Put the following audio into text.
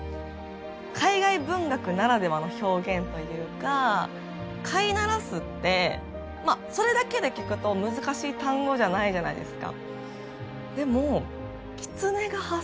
海外文学ならではの表現というか「飼いならす」ってまあそれだけで聞くと難しい単語じゃないじゃないですか。